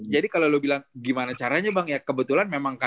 jadi kalo lu bilang gimana caranya bang ya kebetulan memang kak